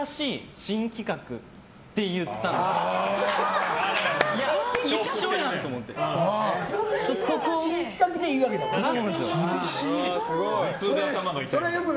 新企画でいいわけだからな。